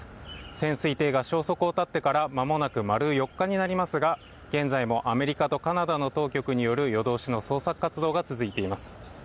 潜水艇が消息を絶ってから間もなく丸４日になりますが現在もアメリカとカナダの当局による夜通しの捜索活動が続いています。